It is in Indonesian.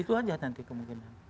itu aja nanti kemungkinan